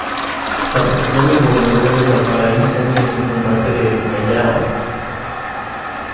Participó en el bombardeo de Valparaíso y en el Combate de El Callao.